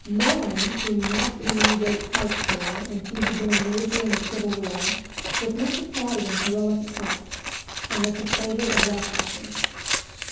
Mohun, whom Nat Lee wrote parts for, and who had been a major in the Civil War, was much applauded in heroic parts, and was a favourite of Rochester's.